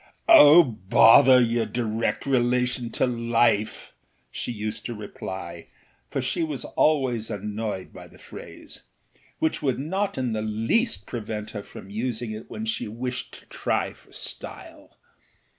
â âOh, bother your direct relation to life!â she used to reply, for she was always annoyed by the phraseâwhich would not in the least prevent her from using it when she wished to try for style.